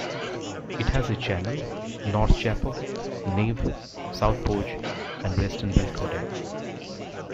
It has a chancel, north chapel, nave, south porch and western bellcote.